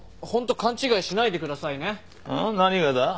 何がだ？